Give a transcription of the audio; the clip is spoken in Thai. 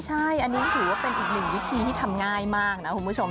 ใช่อันนี้ถือว่าเป็นอีกหนึ่งวิธีที่ทำง่ายมากนะคุณผู้ชม